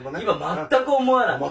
全く思わない。